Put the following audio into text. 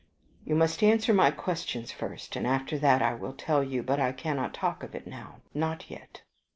You must answer my questions first, and after that I will tell you. But I cannot talk of it now. Not yet."